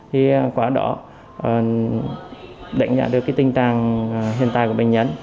thì qua đó đánh giá được tình trạng hiện tại của bệnh nhân